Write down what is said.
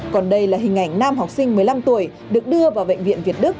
còn đây là hình ảnh nam học sinh một mươi năm tuổi được đưa vào bệnh viện việt đức